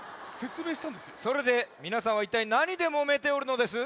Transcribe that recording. それでみなさんはいったいなにでもめておるのです？